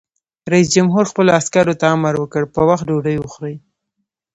رئیس جمهور خپلو عسکرو ته امر وکړ؛ په وخت ډوډۍ وخورئ!